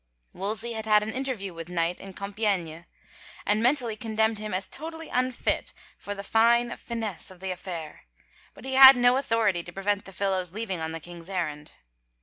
Wolsey had had an interview with Knight in Compiegne and mentally condemned him as totally unfit for the fine finesse of the affair but he had no authority to prevent the fellow's leaving on the king's errand.